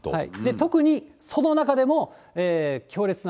特にその中でも強烈な、